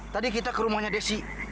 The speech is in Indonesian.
tadi kita ke rumahnya desi